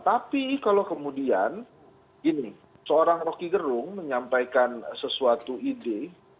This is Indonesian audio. tapi kalau kemudian gini seorang roky gerung menyampaikan sesuatu ide